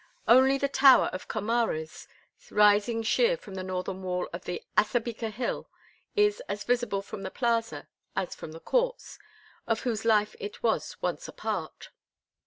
Only the Tower of Comares, rising sheer from the northern wall of the Assabica Hill, is as visible from the plaza, as from the courts, of whose life it was once a part.